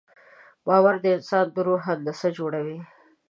باور د انسان د روح هندسه جوړوي.